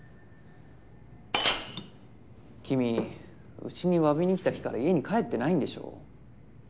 君うちに詫びに来た日から家に帰ってないんでしょ？